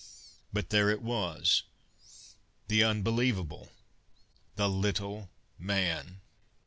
But there it was the unbelievable; the Little Man!